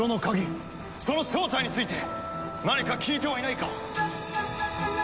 その正体について何か聞いてはいないか？